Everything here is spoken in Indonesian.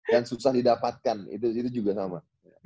yang susah didapatkan itu juga sama